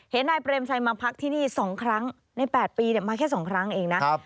นายเปรมชัยมาพักที่นี่๒ครั้งใน๘ปีมาแค่๒ครั้งเองนะ